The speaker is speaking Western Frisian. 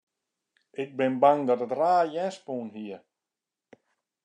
Ik bin bang dat it raar jern spûn hie.